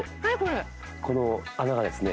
この穴がですね。